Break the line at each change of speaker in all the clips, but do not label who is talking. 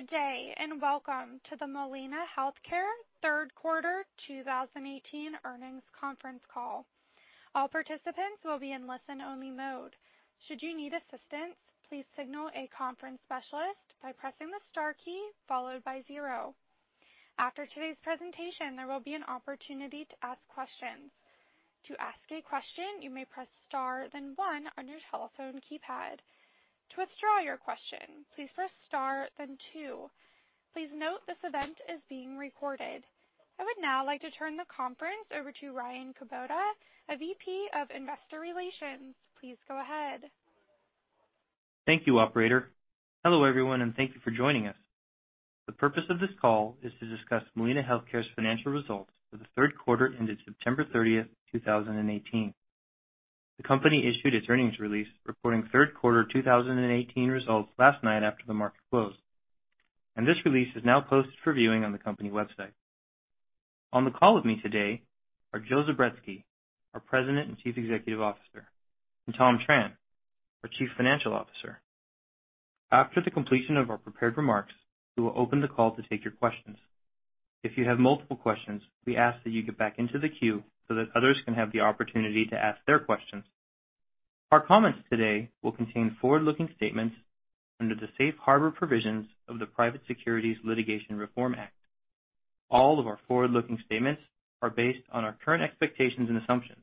Good day, and welcome to the Molina Healthcare third quarter 2018 earnings conference call. All participants will be in listen-only mode. Should you need assistance, please signal a conference specialist by pressing the star key followed by zero. After today's presentation, there will be an opportunity to ask questions. To ask a question, you may press star then one on your telephone keypad. To withdraw your question, please press star then two. Please note this event is being recorded. I would now like to turn the conference over to Ryan Kubota, a VP of Investor Relations. Please go ahead.
Thank you, operator. Hello, everyone, and thank you for joining us. The purpose of this call is to discuss Molina Healthcare's financial results for the third quarter ended September 30th, 2018. The company issued its earnings release reporting third quarter 2018 results last night after the market closed. This release is now posted for viewing on the company website. On the call with me today are Joseph Zubretsky, our President and Chief Executive Officer, and Thomas Tran, our Chief Financial Officer. After the completion of our prepared remarks, we will open the call to take your questions. If you have multiple questions, we ask that you get back into the queue so that others can have the opportunity to ask their questions. Our comments today will contain forward-looking statements under the Safe Harbor provisions of the Private Securities Litigation Reform Act. All of our forward-looking statements are based on our current expectations and assumptions,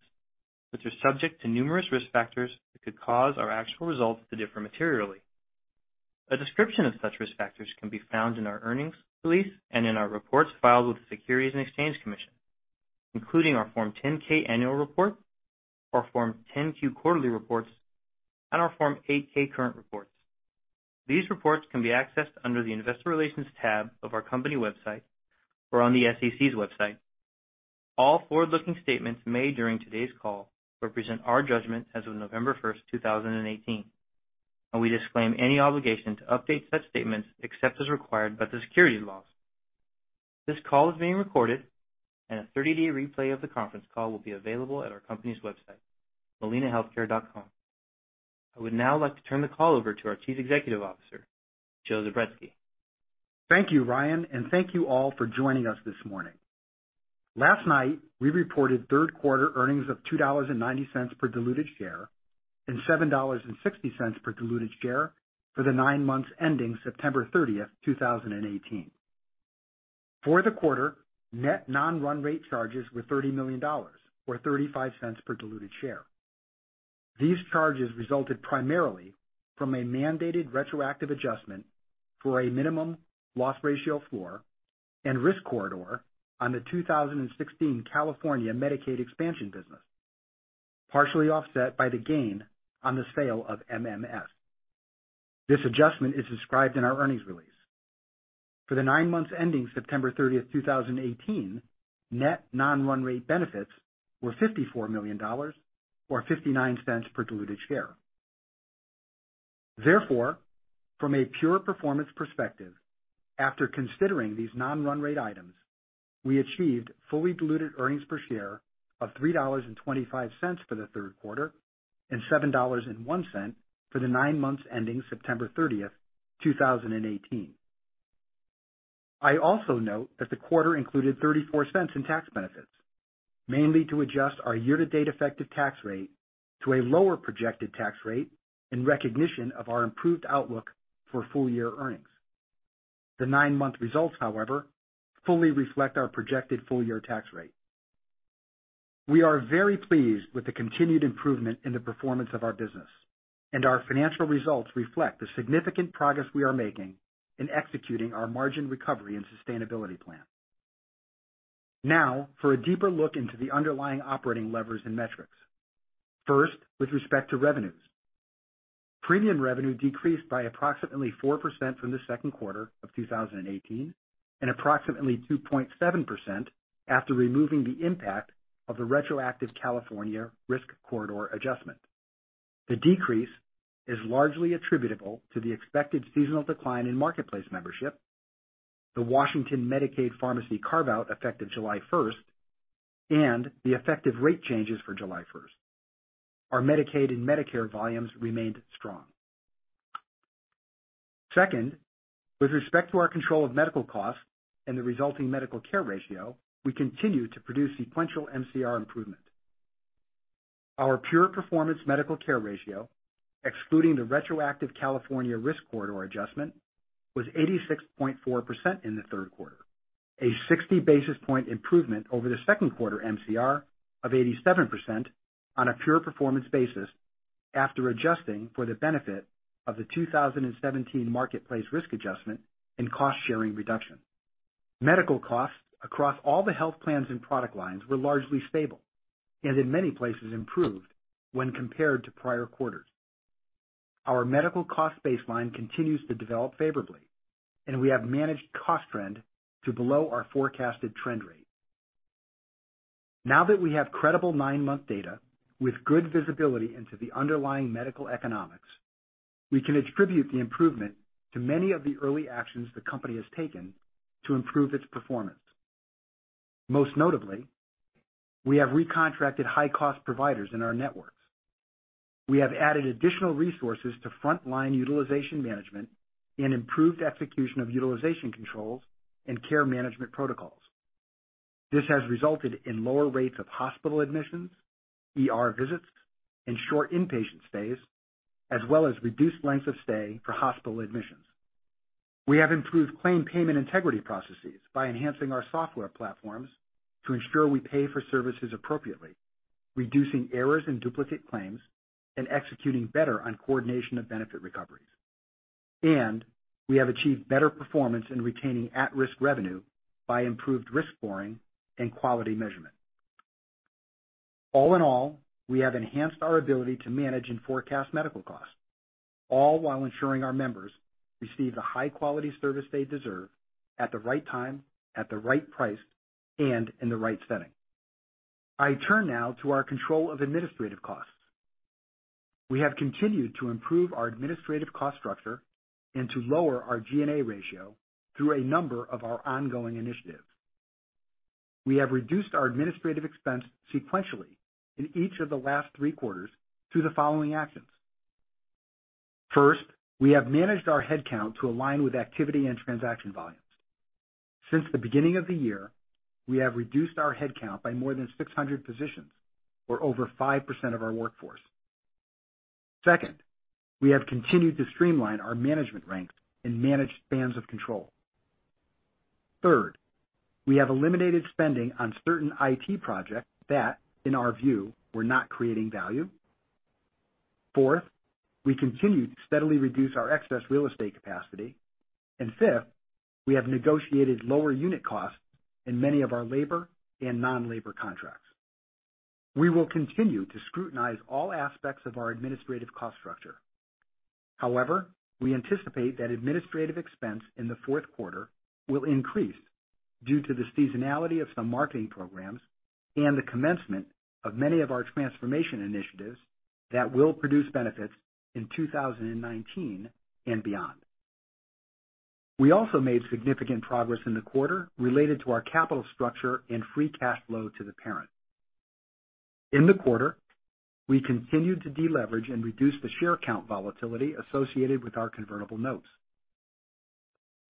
which are subject to numerous risk factors that could cause our actual results to differ materially. A description of such risk factors can be found in our earnings release and in our reports filed with the Securities and Exchange Commission, including our Form 10-K annual report, our Form 10-Q quarterly reports, and our Form 8-K current reports. These reports can be accessed under the Investor Relations tab of our company website or on the SEC's website. All forward-looking statements made during today's call represent our judgment as of November 1st, 2018. We disclaim any obligation to update such statements except as required by the securities laws. This call is being recorded, and a 30-day replay of the conference call will be available at our company's website, MolinaHealthcare.com. I would now like to turn the call over to our Chief Executive Officer, Joseph Zubretsky.
Thank you, Ryan, and thank you all for joining us this morning. Last night, we reported third quarter earnings of $2.90 per diluted share and $7.60 per diluted share for the nine months ending September 30, 2018. For the quarter, net non-run rate charges were $30 million, or $0.35 per diluted share. These charges resulted primarily from a mandated retroactive adjustment for a minimum loss ratio floor and risk corridor on the 2016 California Medicaid expansion business, partially offset by the gain on the sale of MMS. This adjustment is described in our earnings release. For the nine months ending September 30, 2018, net non-run rate benefits were $54 million, or $0.59 per diluted share. Therefore, from a pure performance perspective, after considering these non-run rate items, we achieved fully diluted earnings per share of $3.25 for the third quarter and $7.01 for the nine months ending September 30, 2018. I also note that the quarter included $0.34 in tax benefits, mainly to adjust our year-to-date effective tax rate to a lower projected tax rate in recognition of our improved outlook for full-year earnings. The nine-month results, however, fully reflect our projected full-year tax rate. We are very pleased with the continued improvement in the performance of our business, and our financial results reflect the significant progress we are making in executing our margin recovery and sustainability plan. For a deeper look into the underlying operating levers and metrics. First, with respect to revenues. Premium revenue decreased by approximately 4% from the second quarter of 2018, and approximately 2.7% after removing the impact of the retroactive California risk corridor adjustment. The decrease is largely attributable to the expected seasonal decline in Marketplace membership, the Washington Medicaid pharmacy carve-out effective July 1, and the effective rate changes for July 1. Our Medicaid and Medicare volumes remained strong. Second, with respect to our control of medical costs and the resulting medical care ratio, we continue to produce sequential MCR improvement. Our pure performance medical care ratio, excluding the retroactive California risk corridor adjustment, was 86.4% in the third quarter, a 60-basis point improvement over the second quarter MCR of 87% on a pure performance basis after adjusting for the benefit of the 2017 Marketplace risk adjustment and cost-sharing reduction. Medical costs across all the health plans and product lines were largely stable and in many places improved when compared to prior quarters. Our medical cost baseline continues to develop favorably, and we have managed cost trend to below our forecasted trend rate. Now that we have credible nine-month data with good visibility into the underlying medical economics, we can attribute the improvement to many of the early actions the company has taken to improve its performance. Most notably, we have recontracted high-cost providers in our networks. We have added additional resources to frontline utilization management and improved execution of utilization controls and care management protocols. This has resulted in lower rates of hospital admissions, ER visits, and short inpatient stays, as well as reduced length of stay for hospital admissions. We have improved claim payment integrity processes by enhancing our software platforms to ensure we pay for services appropriately, reducing errors in duplicate claims, and executing better on coordination of benefit recoveries. We have achieved better performance in retaining at-risk revenue by improved risk scoring and quality measurement. All in all, we have enhanced our ability to manage and forecast medical costs, all while ensuring our members receive the high-quality service they deserve at the right time, at the right price, and in the right setting. I turn now to our control of administrative costs. We have continued to improve our administrative cost structure and to lower our G&A ratio through a number of our ongoing initiatives. We have reduced our administrative expense sequentially in each of the last three quarters through the following actions. First, we have managed our headcount to align with activity and transaction volumes. Since the beginning of the year, we have reduced our headcount by more than 600 positions, or over 5% of our workforce. Second, we have continued to streamline our management ranks and manage spans of control. Third, we have eliminated spending on certain IT projects that, in our view, were not creating value. Fourth, we continue to steadily reduce our excess real estate capacity. Fifth, we have negotiated lower unit costs in many of our labor and non-labor contracts. We will continue to scrutinize all aspects of our administrative cost structure. However, we anticipate that administrative expense in the fourth quarter will increase due to the seasonality of some marketing programs and the commencement of many of our transformation initiatives that will produce benefits in 2019 and beyond. We also made significant progress in the quarter related to our capital structure and free cash flow to the parent. In the quarter, we continued to deleverage and reduce the share count volatility associated with our convertible notes.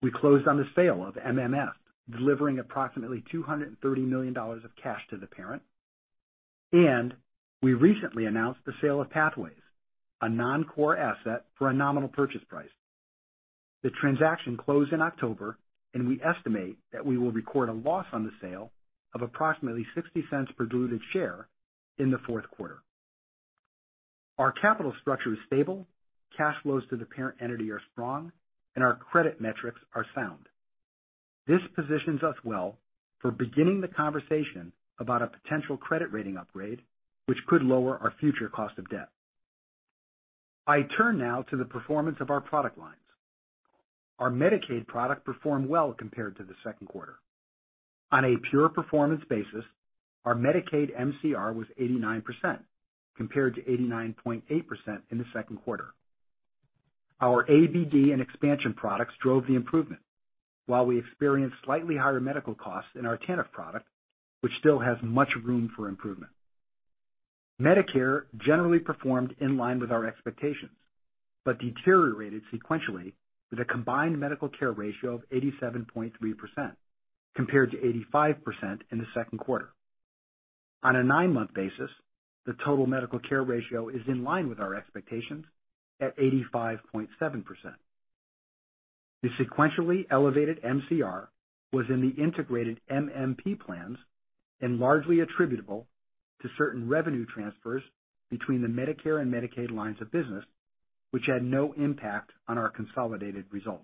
We closed on the sale of MMS, delivering approximately $230 million of cash to the parent, and we recently announced the sale of Pathways, a non-core asset, for a nominal purchase price. The transaction closed in October, and we estimate that we will record a loss on the sale of approximately $0.60 per diluted share in the fourth quarter. Our capital structure is stable, cash flows to the parent entity are strong, and our credit metrics are sound. This positions us well for beginning the conversation about a potential credit rating upgrade, which could lower our future cost of debt. I turn now to the performance of our product lines. Our Medicaid product performed well compared to the second quarter. On a pure performance basis, our Medicaid MCR was 89% compared to 89.8% in the second quarter. Our ABD and expansion products drove the improvement, while we experienced slightly higher medical costs in our TennCare product, which still has much room for improvement. Medicare generally performed in line with our expectations, but deteriorated sequentially with a combined medical care ratio of 87.3%, compared to 85% in the second quarter. On a nine-month basis, the total medical care ratio is in line with our expectations at 85.7%. The sequentially elevated MCR was in the integrated MMP plans and largely attributable to certain revenue transfers between the Medicare and Medicaid lines of business, which had no impact on our consolidated result.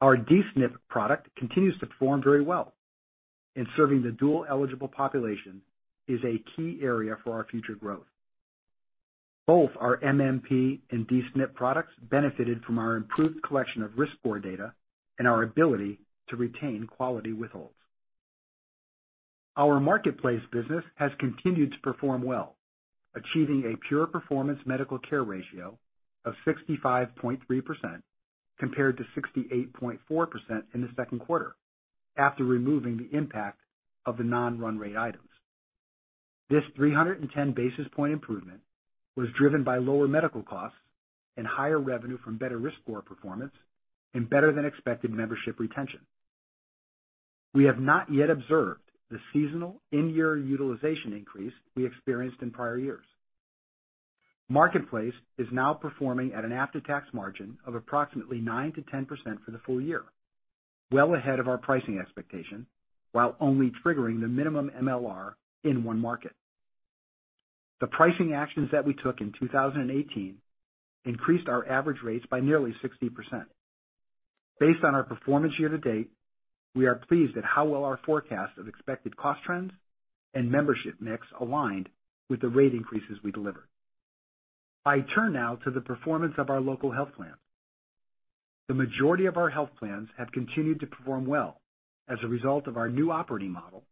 Our D-SNP product continues to perform very well, and serving the dual-eligible population is a key area for our future growth. Both our MMP and D-SNP products benefited from our improved collection of risk score data and our ability to retain quality withholds. Our Marketplace business has continued to perform well, achieving a pure performance medical care ratio of 65.3% compared to 68.4% in the second quarter after removing the impact of the non-run rate items. This 310 basis point improvement was driven by lower medical costs and higher revenue from better risk score performance and better than expected membership retention. We have not yet observed the seasonal in-year utilization increase we experienced in prior years. Marketplace is now performing at an after-tax margin of approximately 9%-10% for the full year, well ahead of our pricing expectation, while only triggering the minimum MLR in one market. The pricing actions that we took in 2018 increased our average rates by nearly 60%. Based on our performance year to date, we are pleased at how well our forecast of expected cost trends and membership mix aligned with the rate increases we delivered. I turn now to the performance of our local health plans. The majority of our health plans have continued to perform well as a result of our new operating model,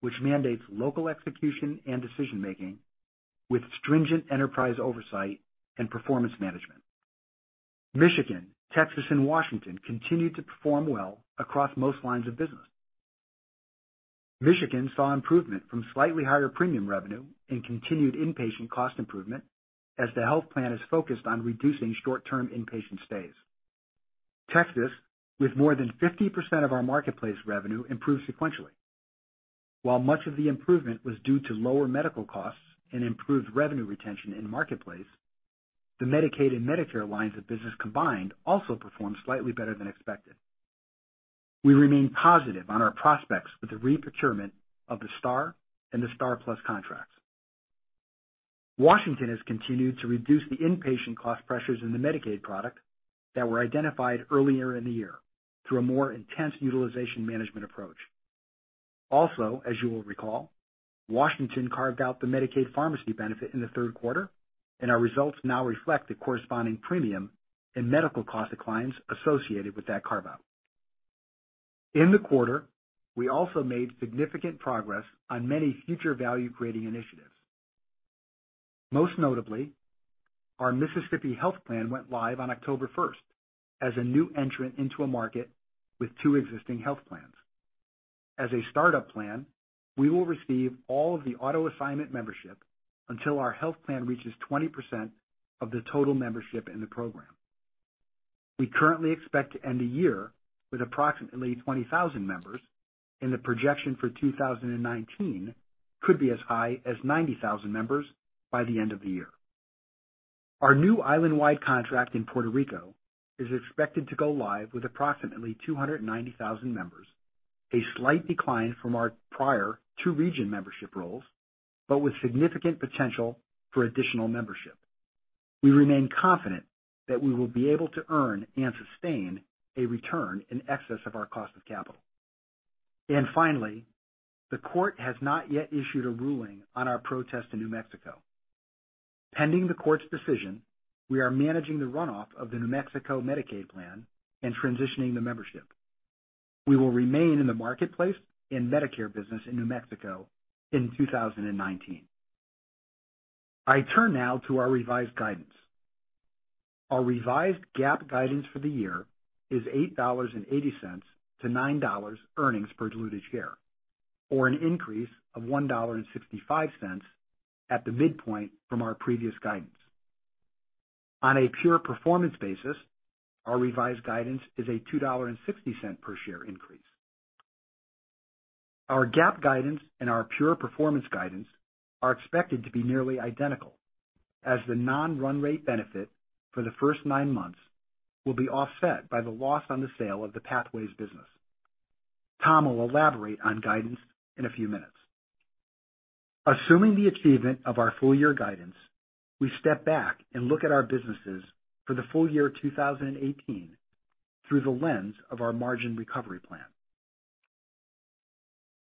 which mandates local execution and decision-making with stringent enterprise oversight and performance management. Michigan, Texas, and Washington continued to perform well across most lines of business. Michigan saw improvement from slightly higher premium revenue and continued inpatient cost improvement as the health plan is focused on reducing short-term inpatient stays. Texas, with more than 50% of our Marketplace revenue, improved sequentially. While much of the improvement was due to lower medical costs and improved revenue retention in Marketplace, the Medicaid and Medicare lines of business combined also performed slightly better than expected. We remain positive on our prospects with the re-procurement of the STAR and the STAR+PLUS contracts. Washington has continued to reduce the inpatient cost pressures in the Medicaid product that were identified earlier in the year through a more intense utilization management approach. Also, as you will recall, Washington carved out the Medicaid pharmacy benefit in the third quarter, and our results now reflect the corresponding premium in medical cost declines associated with that carve-out. In the quarter, we also made significant progress on many future value-creating initiatives. Most notably, our Mississippi health plan went live on October 1st as a new entrant into a market with two existing health plans. As a start-up plan, we will receive all of the auto-assignment membership until our health plan reaches 20% of the total membership in the program. We currently expect to end the year with approximately 20,000 members, and the projection for 2019 could be as high as 90,000 members by the end of the year. Our new island-wide contract in Puerto Rico is expected to go live with approximately 290,000 members, a slight decline from our prior two region membership rolls, but with significant potential for additional membership. Finally, the court has not yet issued a ruling on our protest in New Mexico. Pending the court's decision, we are managing the runoff of the New Mexico Medicaid plan and transitioning the membership. We will remain in the Marketplace and Medicare business in New Mexico in 2019. I turn now to our revised guidance. Our revised GAAP guidance for the year is $8.80 to $9 earnings per diluted share, or an increase of $1.65 at the midpoint from our previous guidance. On a pure performance basis, our revised guidance is a $2.60 per share increase. Our GAAP guidance and our pure performance guidance are expected to be nearly identical, as the non-run rate benefit for the first nine months will be offset by the loss on the sale of the Pathways business. Tom will elaborate on guidance in a few minutes. Assuming the achievement of our full year guidance, we step back and look at our businesses for the full year 2018 through the lens of our margin recovery plan.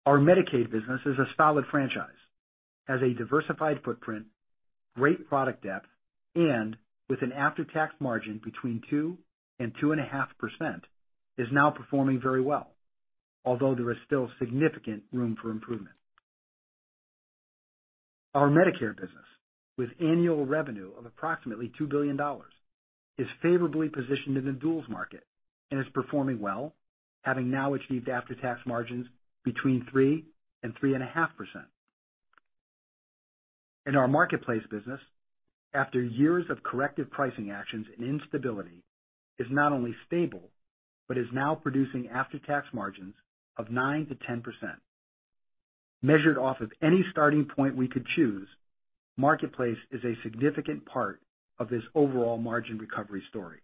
Our Medicaid business is a solid franchise, has a diversified footprint, great product depth, and with an after-tax margin between 2% and 2.5%, is now performing very well, although there is still significant room for improvement. Our Medicare business, with annual revenue of approximately $2 billion, is favorably positioned in the duals market and is performing well, having now achieved after-tax margins between 3% and 3.5%. Our Marketplace business, after years of corrective pricing actions and instability, is not only stable but is now producing after-tax margins of 9% to 10%. Measured off of any starting point we could choose, Marketplace is a significant part of this overall margin recovery story.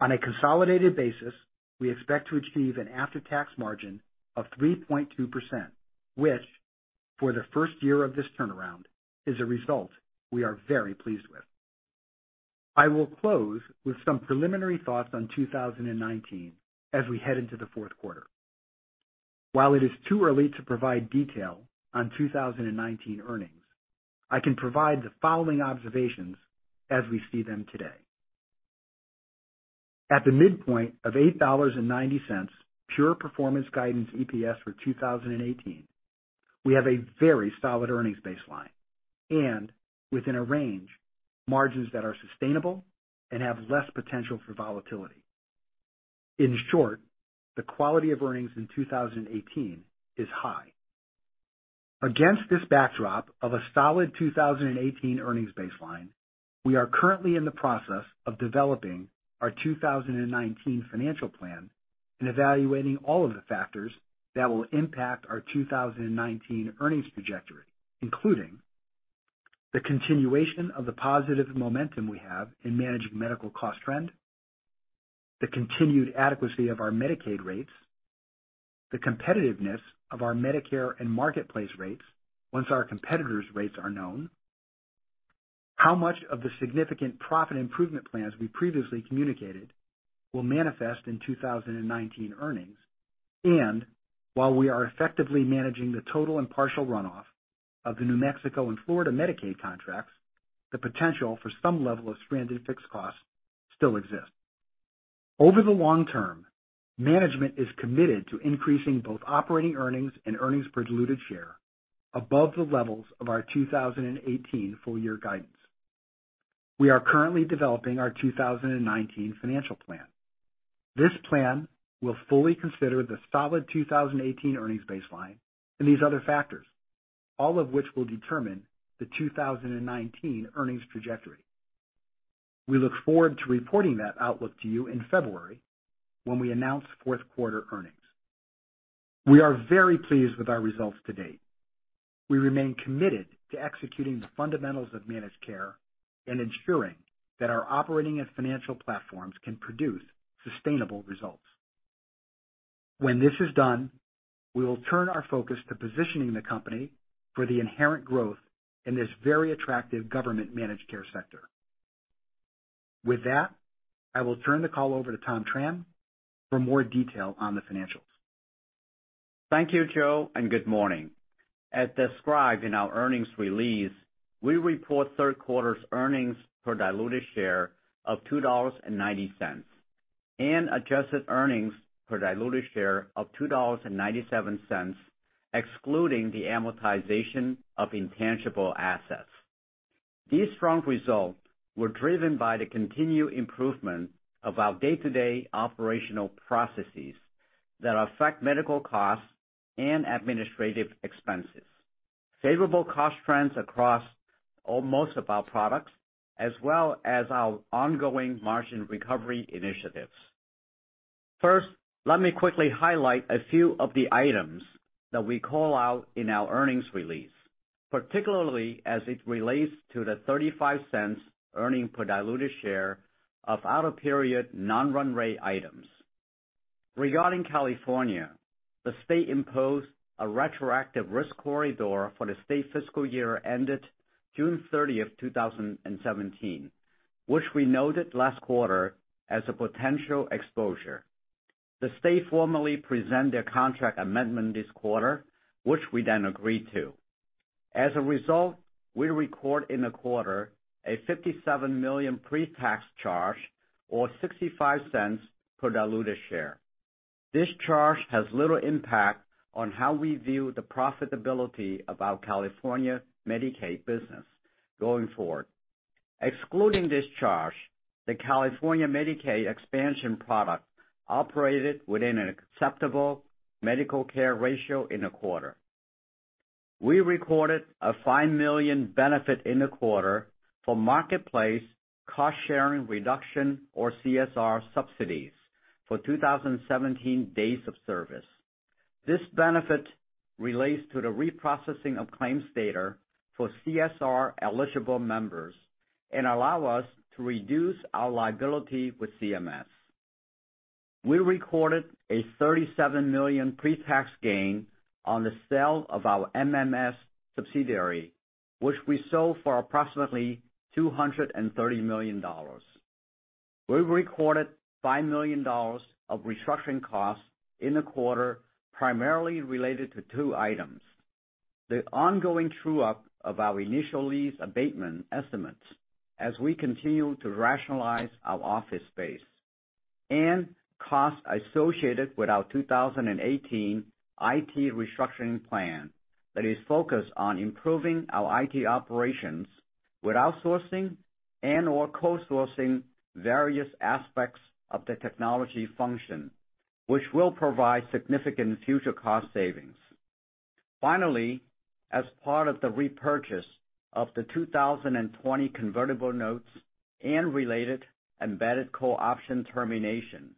On a consolidated basis, we expect to achieve an after-tax margin of 3.2%, which for the first year of this turnaround, is a result we are very pleased with. I will close with some preliminary thoughts on 2019 as we head into the fourth quarter. While it is too early to provide detail on 2019 earnings, I can provide the following observations as we see them today. At the midpoint of $8.90 pure performance guidance EPS for 2018, we have a very solid earnings baseline and within a range, margins that are sustainable and have less potential for volatility. In short, the quality of earnings in 2018 is high. Against this backdrop of a solid 2018 earnings baseline, we are currently in the process of developing our 2019 financial plan and evaluating all of the factors that will impact our 2019 earnings trajectory, including the continuation of the positive momentum we have in managed medical cost trend, the continued adequacy of our Medicaid rates, the competitiveness of our Medicare and Marketplace rates once our competitors' rates are known, how much of the significant profit improvement plans we previously communicated will manifest in 2019 earnings, and while we are effectively managing the total and partial runoff of the New Mexico and Florida Medicaid contracts, the potential for some level of stranded fixed costs still exists. Over the long term, management is committed to increasing both operating earnings and earnings per diluted share above the levels of our 2018 full year guidance. We are currently developing our 2019 financial plan. This plan will fully consider the solid 2018 earnings baseline and these other factors, all of which will determine the 2019 earnings trajectory. We look forward to reporting that outlook to you in February when we announce fourth quarter earnings. We are very pleased with our results to date. We remain committed to executing the fundamentals of managed care and ensuring that our operating and financial platforms can produce sustainable results. When this is done, we will turn our focus to positioning the company for the inherent growth in this very attractive government managed care sector. With that, I will turn the call over to Tom Tran for more detail on the financials.
Thank you, Joe, good morning. As described in our earnings release, we report third quarter's earnings per diluted share of $2.90, and adjusted earnings per diluted share of $2.97, excluding the amortization of intangible assets. These strong results were driven by the continued improvement of our day-to-day operational processes that affect medical costs and administrative expenses, favorable cost trends across most of our products, as well as our ongoing margin recovery initiatives. First, let me quickly highlight a few of the items that we call out in our earnings release, particularly as it relates to the $0.35 earning per diluted share of out-of-period non-run rate items. Regarding California, the state imposed a retroactive risk corridor for the state fiscal year ended June 30, 2017, which we noted last quarter as a potential exposure. The state formally present their contract amendment this quarter, which we then agreed to. As a result, we record in the quarter a $57 million pre-tax charge, or $0.65 per diluted share. This charge has little impact on how we view the profitability of our California Medicaid business going forward. Excluding this charge, the California Medicaid expansion product operated within an acceptable medical care ratio in the quarter. We recorded a $5 million benefit in the quarter for Marketplace cost-sharing reduction, or CSR subsidies, for 2017 days of service. This benefit relates to the reprocessing of claims data for CSR-eligible members and allow us to reduce our liability with CMS. We recorded a $37 million pre-tax gain on the sale of our MMS subsidiary, which we sold for approximately $230 million. We recorded $5 million of restructuring costs in the quarter, primarily related to two items. The ongoing true-up of our initial lease abatement estimates as we continue to rationalize our office space, and costs associated with our 2018 IT restructuring plan that is focused on improving our IT operations with outsourcing and/or co-sourcing various aspects of the technology function, which will provide significant future cost savings. Finally, as part of the repurchase of the 2020 convertible notes and related embedded call option termination,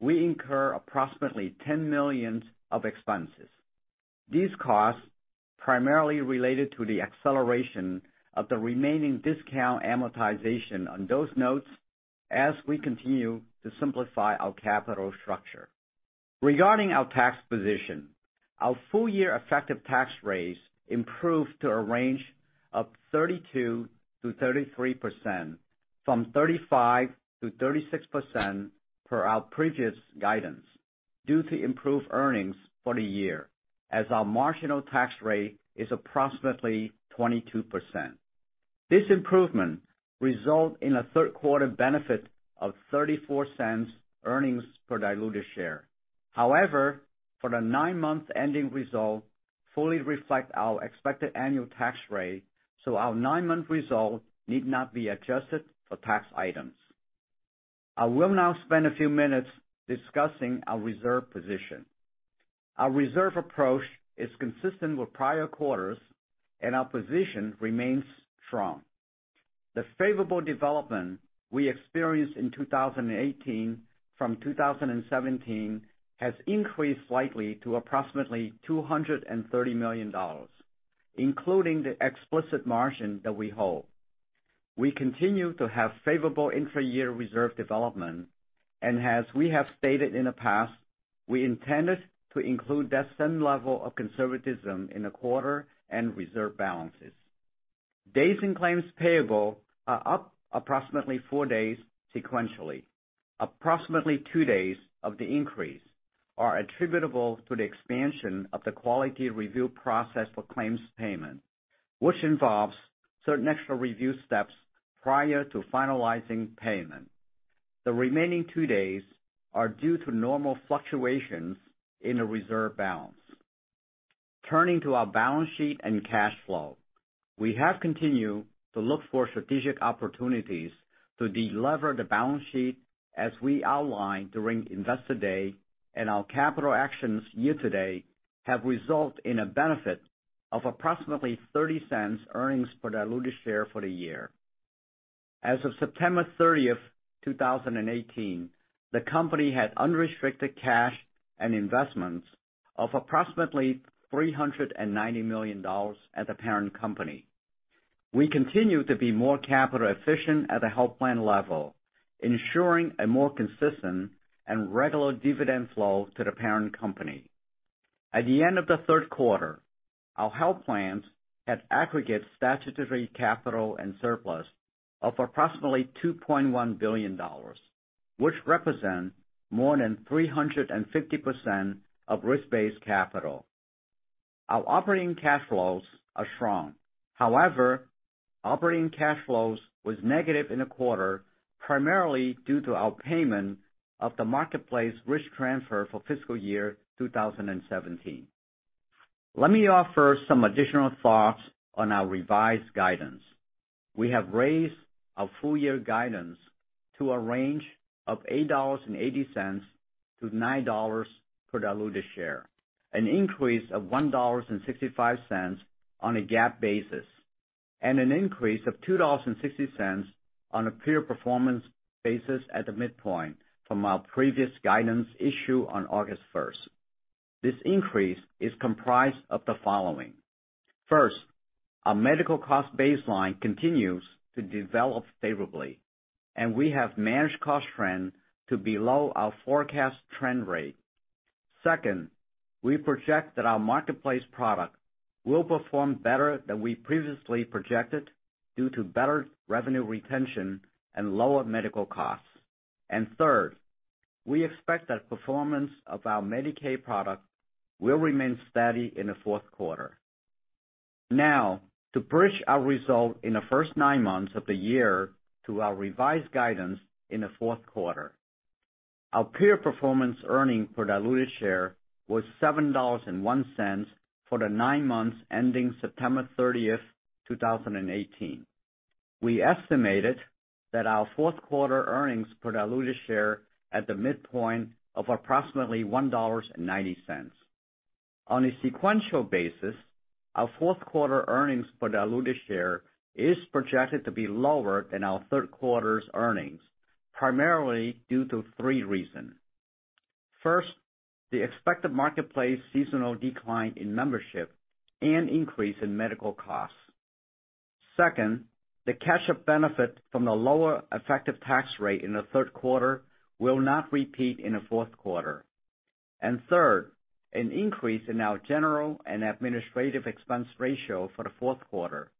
we incur approximately $10 million of expenses. These costs primarily related to the acceleration of the remaining discount amortization on those notes as we continue to simplify our capital structure. Regarding our tax position, our full year effective tax rates improved to a range of 32%-33%, from 35%-36% per our previous guidance due to improved earnings for the year, as our marginal tax rate is approximately 22%. This improvement result in a third quarter benefit of $0.34 earnings per diluted share. For the nine-month ending result fully reflect our expected annual tax rate, our nine-month result need not be adjusted for tax items. I will now spend a few minutes discussing our reserve position. Our reserve approach is consistent with prior quarters, and our position remains strong. The favorable development we experienced in 2018 from 2017 has increased slightly to approximately $230 million, including the explicit margin that we hold. We continue to have favorable intra-year reserve development, and as we have stated in the past, we intended to include that same level of conservatism in the quarter and reserve balances. Days in claims payable are up approximately four days sequentially. Approximately two days of the increase are attributable to the expansion of the quality review process for claims payment, which involves certain extra review steps prior to finalizing payment. The remaining two days are due to normal fluctuations in the reserve balance. Turning to our balance sheet and cash flow. We have continued to look for strategic opportunities to delever the balance sheet as we outlined during Investor Day, Our capital actions year-to-date have resulted in a benefit of approximately $0.30 earnings per diluted share for the year. As of September 30th, 2018, the company had unrestricted cash and investments of approximately $390 million at the parent company. We continue to be more capital efficient at the health plan level, ensuring a more consistent and regular dividend flow to the parent company. At the end of the third quarter, our health plans had aggregate statutory capital and surplus of approximately $2.1 billion, which represent more than 350% of risk-based capital. Our operating cash flows are strong. Operating cash flows was negative in the quarter, primarily due to our payment of the Marketplace risk transfer for fiscal year 2017. Let me offer some additional thoughts on our revised guidance. We have raised our full year guidance to a range of $8.80-$9 per diluted share, an increase of $1.65 on a GAAP basis, an increase of $2.60 on a pure performance basis at the midpoint from our previous guidance issue on August 1st. This increase is comprised of the following. First, our medical cost baseline continues to develop favorably, We have managed cost trend to below our forecast trend rate. Second, we project that our Marketplace product will perform better than we previously projected due to better revenue retention and lower medical costs. Third, we expect that performance of our Medicaid product will remain steady in the fourth quarter. To bridge our result in the first nine months of the year to our revised guidance in the fourth quarter. Our peer performance earning per diluted share was $7.01 for the nine months ending September 30th, 2018. We estimated that our fourth quarter earnings per diluted share at the midpoint of approximately $1.90. On a sequential basis, our fourth quarter earnings per diluted share is projected to be lower than our third quarter's earnings, primarily due to three reasons. First, the expected Marketplace seasonal decline in membership and increase in medical costs. Second, the cash benefit from the lower effective tax rate in the third quarter will not repeat in the fourth quarter. Third, an increase in our general and administrative expense ratio for the fourth quarter,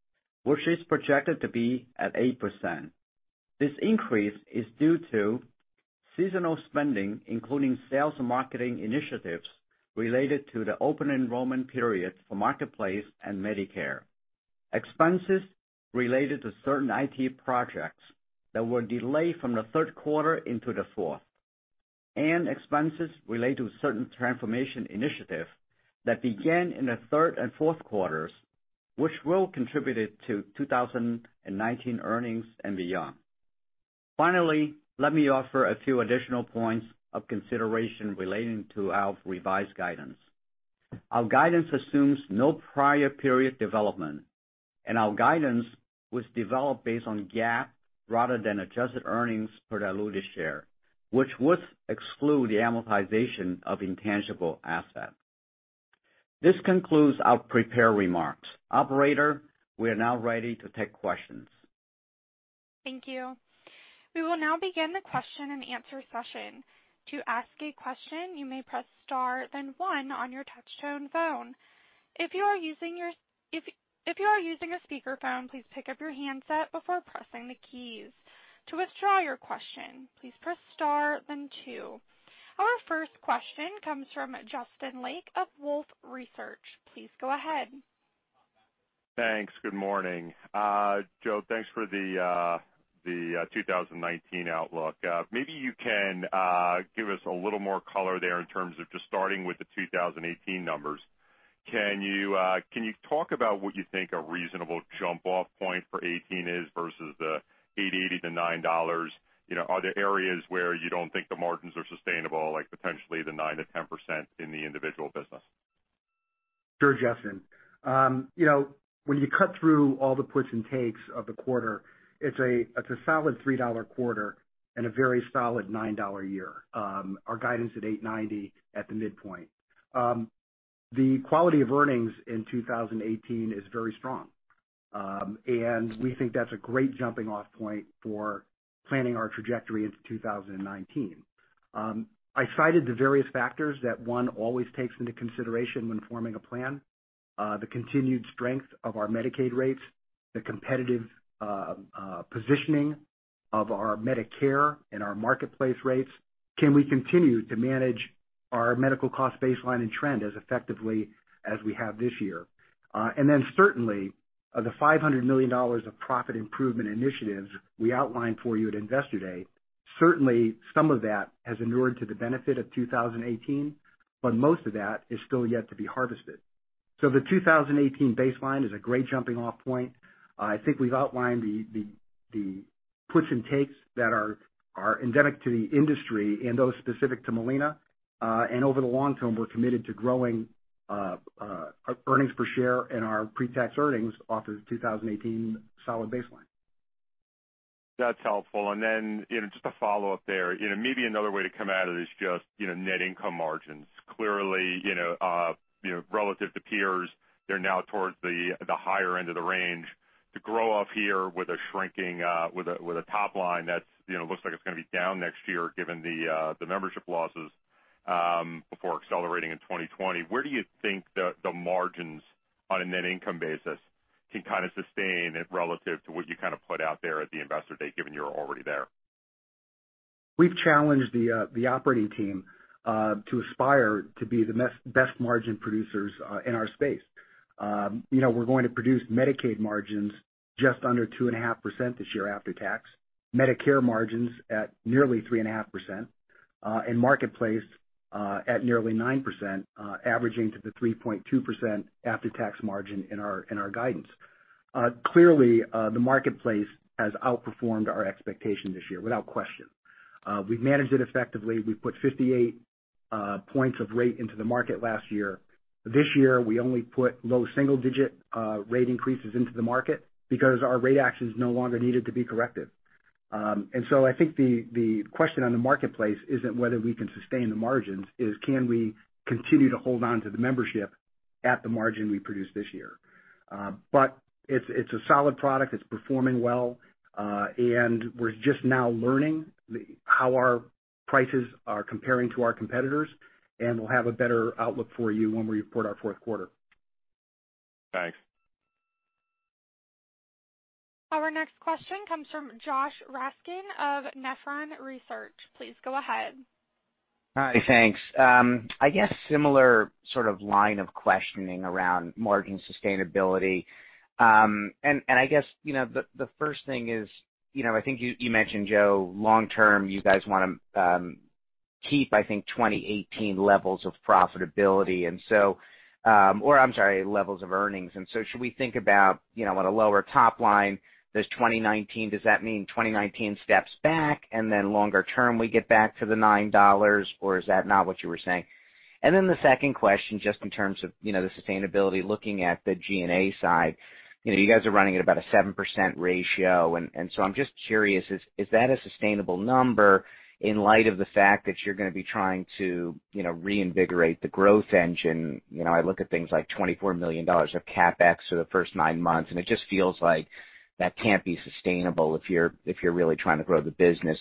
which is projected to be at 8%. This increase is due to seasonal spending, including sales and marketing initiatives related to the open enrollment period for Marketplace and Medicare, expenses related to certain IT projects that were delayed from the third quarter into the fourth, and expenses related to certain transformation initiatives that began in the third and fourth quarters, which will contribute to 2019 earnings and beyond. Finally, let me offer a few additional points of consideration relating to our revised guidance. Our guidance assumes no prior period development, and our guidance was developed based on GAAP rather than adjusted earnings per diluted share, which would exclude the amortization of intangible assets. This concludes our prepared remarks. Operator, we are now ready to take questions.
Thank you. We will now begin the question and answer session. To ask a question, you may press star, then one on your touch-tone phone. If you are using a speakerphone, please pick up your handset before pressing the keys. To withdraw your question, please press star, then two. Our first question comes from Justin Lake of Wolfe Research. Please go ahead.
Thanks. Good morning. Joe, thanks for the 2019 outlook. Maybe you can give us a little more color there in terms of just starting with the 2018 numbers. Can you talk about what you think a reasonable jump-off point for 2018 is versus the $8.80-$9? Are there areas where you don't think the margins are sustainable, like potentially the 9%-10% in the individual business?
Sure, Justin. When you cut through all the puts and takes of the quarter, it's a solid $3 quarter and a very solid $9 year. Our guidance at $8.90 at the midpoint. The quality of earnings in 2018 is very strong. We think that's a great jumping-off point for planning our trajectory into 2019. I cited the various factors that one always takes into consideration when forming a plan. The continued strength of our Medicaid rates, the competitive positioning Of our Medicare and our Marketplace rates, can we continue to manage our medical cost baseline and trend as effectively as we have this year? Certainly, of the $500 million of profit improvement initiatives we outlined for you at Investor Day, certainly some of that has inured to the benefit of 2018, but most of that is still yet to be harvested. The 2018 baseline is a great jumping-off point. I think we've outlined the puts and takes that are endemic to the industry and those specific to Molina. Over the long term, we're committed to growing our earnings per share and our pre-tax earnings off of the 2018 solid baseline.
That's helpful. Just a follow-up there. Maybe another way to come at it is just net income margins. Clearly, relative to peers, they're now towards the higher end of the range. To grow off here with a top line that looks like it's going to be down next year given the membership losses before accelerating in 2020, where do you think the margins on a net income basis can sustain relative to what you put out there at the Investor Day, given you're already there?
We've challenged the operating team to aspire to be the best margin producers in our space. We're going to produce Medicaid margins just under 2.5% this year after tax, Medicare margins at nearly 3.5%, and Marketplace at nearly 9%, averaging to the 3.2% after-tax margin in our guidance. Clearly, the Marketplace has outperformed our expectation this year, without question. We've managed it effectively. We put 58 points of rate into the market last year. This year, we only put low single-digit rate increases into the market because our rate actions no longer needed to be corrected. I think the question on the Marketplace isn't whether we can sustain the margins, it is can we continue to hold on to the membership at the margin we produced this year? It's a solid product, it's performing well. We're just now learning how our prices are comparing to our competitors. We'll have a better outlook for you when we report our fourth quarter.
Thanks.
Our next question comes from Josh Raskin of Nephron Research. Please go ahead.
Hi, thanks. I guess similar sort of line of questioning around margin sustainability. I guess, the first thing is, I think you mentioned, Joe, long term, you guys want to keep, I think, 2018 levels of profitability, or I'm sorry, levels of earnings. Should we think about on a lower top line, there's 2019. Does that mean 2019 steps back, then longer term, we get back to the $9, or is that not what you were saying? The second question, just in terms of the sustainability, looking at the G&A side. You guys are running at about a 7% ratio, so I'm just curious, is that a sustainable number in light of the fact that you're going to be trying to reinvigorate the growth engine? I look at things like $24 million of CapEx for the first nine months. It just feels like that can't be sustainable if you're really trying to grow the business.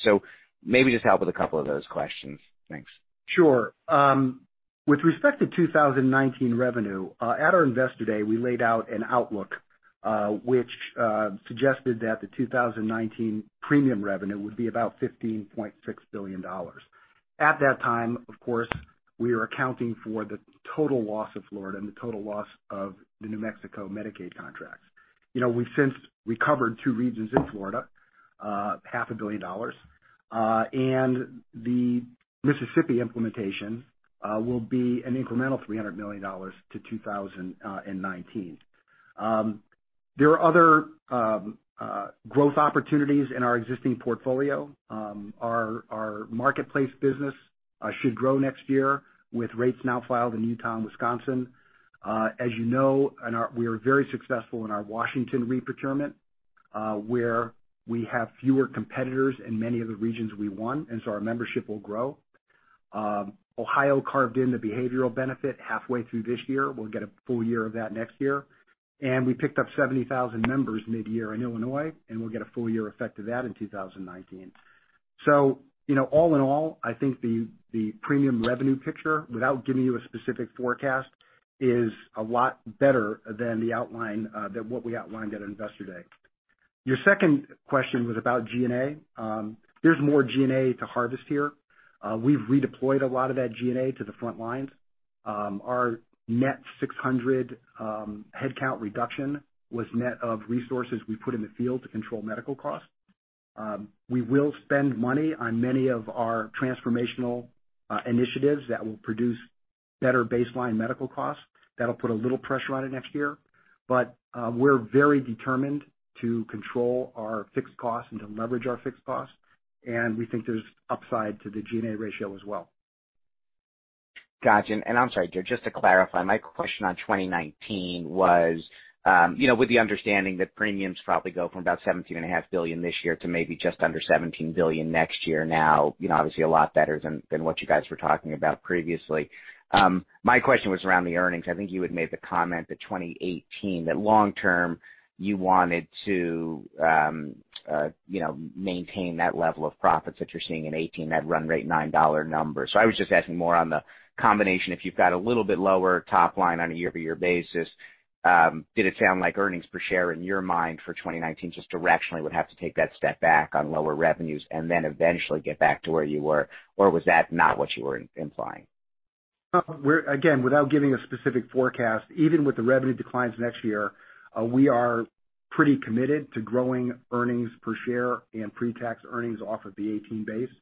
Maybe just help with a couple of those questions. Thanks.
Sure. With respect to 2019 revenue, at our Investor Day, we laid out an outlook, which suggested that the 2019 premium revenue would be about $15.6 billion. At that time, of course, we were accounting for the total loss of Florida and the total loss of the New Mexico Medicaid contracts. We've since recovered two regions in Florida, half a billion dollars, and the Mississippi implementation will be an incremental $300 million to 2019. There are other growth opportunities in our existing portfolio. Our Marketplace business should grow next year with rates now filed in Utah and Wisconsin. As you know, we are very successful in our Washington re-procurement, where we have fewer competitors in many of the regions we won, our membership will grow. Ohio carved in the behavioral benefit halfway through this year. We'll get a full year of that next year. We picked up 70,000 members mid-year in Illinois, and we'll get a full year effect of that in 2019. All in all, I think the premium revenue picture, without giving you a specific forecast, is a lot better than what we outlined at Investor Day. Your second question was about G&A. There's more G&A to harvest here. We've redeployed a lot of that G&A to the front lines. Our net 600 headcount reduction was net of resources we put in the field to control medical costs. We will spend money on many of our transformational initiatives that will produce better baseline medical costs. That'll put a little pressure on it next year. We're very determined to control our fixed costs and to leverage our fixed costs, and we think there's upside to the G&A ratio as well.
Got you. I'm sorry, Joe, just to clarify, my question on 2019 was, with the understanding that premiums probably go from about $17.5 billion this year to maybe just under $17 billion next year now, obviously a lot better than what you guys were talking about previously. My question was around the earnings. I think you had made the comment that 2018, that long term, you wanted to maintain that level of profits that you're seeing in 2018, that run rate $9 number. I was just asking more on the combination, if you've got a little bit lower top line on a year-over-year basis, did it sound like earnings per share in your mind for 2019, just directionally, would have to take that step back on lower revenues eventually get back to where you were? Or was that not what you were implying?
Again, without giving a specific forecast, even with the revenue declines next year, we are pretty committed to growing earnings per share and pre-tax earnings off of the 2018 base.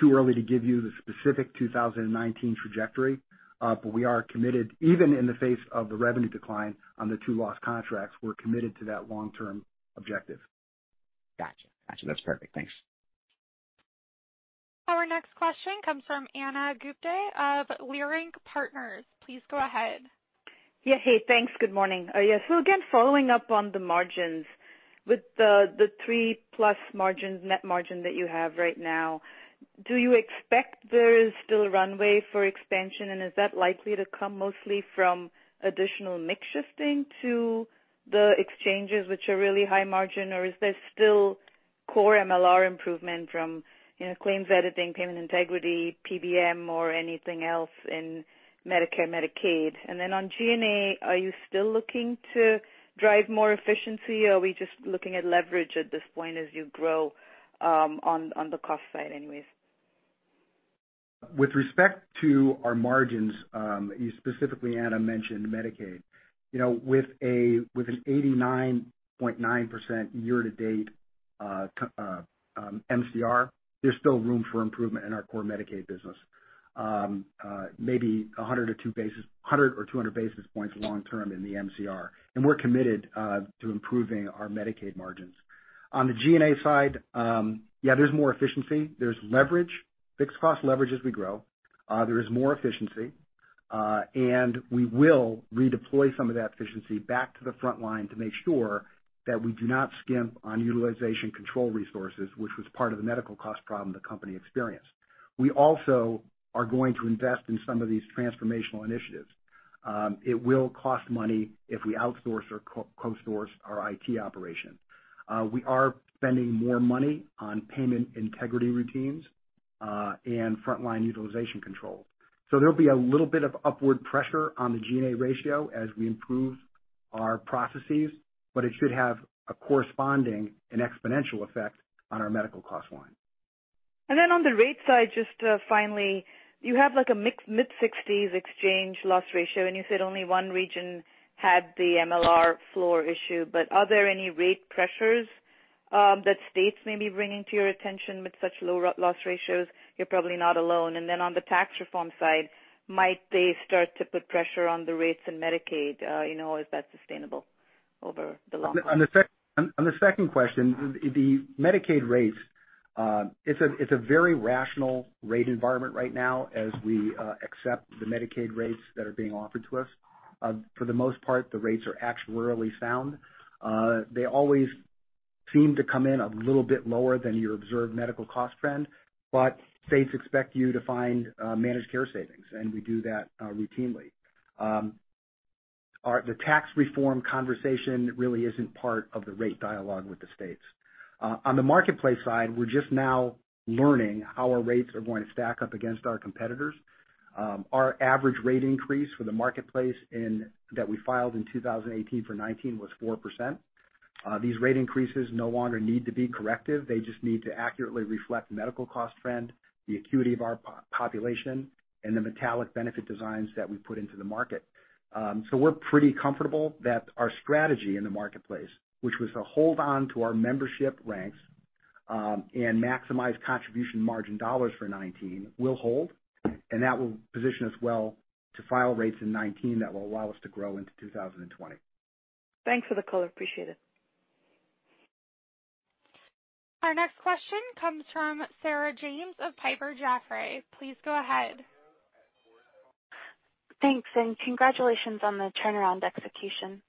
Too early to give you the specific 2019 trajectory, we are committed, even in the face of the revenue decline on the two lost contracts, we're committed to that long-term objective.
Got you. That's perfect. Thanks.
Our next question comes from Ana Gupte of Leerink Partners. Please go ahead.
Yeah. Hey, thanks. Good morning. Again, following up on the margins. With the three-plus net margin that you have right now, do you expect there is still runway for expansion? And is that likely to come mostly from additional mix shifting to the exchanges, which are really high margin, or is there still core MLR improvement from claims editing, payment integrity, PBM, or anything else in Medicare, Medicaid? Then on G&A, are you still looking to drive more efficiency, or are we just looking at leverage at this point as you grow on the cost side anyways?
With respect to our margins, you specifically, Ana, mentioned Medicaid. With an 89.9% year-to-date MCR, there's still room for improvement in our core Medicaid business. Maybe 100 or 200 basis points long term in the MCR. We're committed to improving our Medicaid margins. On the G&A side, yeah, there's more efficiency. There's leverage, fixed cost leverage as we grow. There is more efficiency. We will redeploy some of that efficiency back to the front line to make sure that we do not skimp on utilization control resources, which was part of the medical cost problem the company experienced. We also are going to invest in some of these transformational initiatives. It will cost money if we outsource or co-source our IT operations. We are spending more money on payment integrity routines, and frontline utilization control. There'll be a little bit of upward pressure on the G&A ratio as we improve our processes, but it should have a corresponding and exponential effect on our medical cost line.
On the rate side, just finally, you have like a mid-60s exchange loss ratio, and you said only one region had the MLR floor issue, but are there any rate pressures that states may be bringing to your attention with such low loss ratios? You're probably not alone. On the tax reform side, might they start to put pressure on the rates in Medicaid? Is that sustainable over the long run?
On the second question, the Medicaid rates, it's a very rational rate environment right now as we accept the Medicaid rates that are being offered to us. For the most part, the rates are actuarially sound. They always seem to come in a little bit lower than your observed medical cost trend, but states expect you to find managed care savings, and we do that routinely. The tax reform conversation really isn't part of the rate dialogue with the states. On the Marketplace side, we're just now learning how our rates are going to stack up against our competitors. Our average rate increase for the Marketplace that we filed in 2018 for 2019 was 4%. These rate increases no longer need to be corrective. They just need to accurately reflect medical cost trend, the acuity of our population, and the metallic benefit designs that we put into the market. We're pretty comfortable that our strategy in the Marketplace, which was to hold on to our membership ranks, and maximize contribution margin dollars for 2019, will hold, and that will position us well to file rates in 2019 that will allow us to grow into 2020.
Thanks for the color. Appreciate it.
Our next question comes from Sarah James of Piper Jaffray. Please go ahead.
Thanks. Congratulations on the turnaround execution.